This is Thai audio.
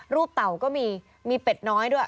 เต่าก็มีมีเป็ดน้อยด้วย